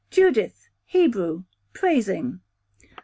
Judith, Hebrew, praising.